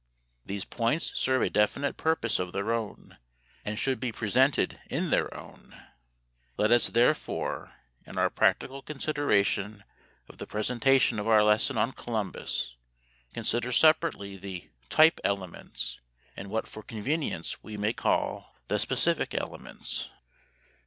These points serve a definite purpose of their own, and should be presented in their own way. Let us, therefore, in our practical consideration of the presentation of our lesson on Columbus, consider separately the "type elements" and what for convenience we may call the "specific elements."